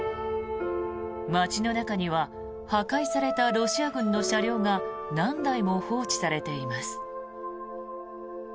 街の中には破壊されたロシア軍の車両が何台も放置されています。